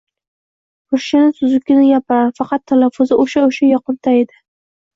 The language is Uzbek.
Ruschani tuzukkina gapirar, faqat talaffuzi o‘sha-o‘sha, yoqimtoy edi.